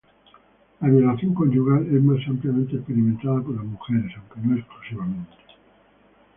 La violación conyugal es más ampliamente experimentada por las mujeres, aunque no exclusivamente.